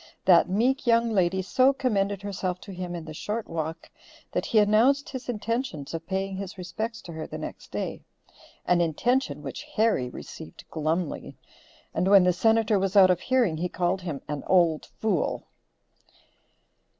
That meek young lady so commended herself to him in the short walk, that he announced his intentions of paying his respects to her the next day, an intention which Harry received glumly; and when the Senator was out of hearing he called him "an old fool."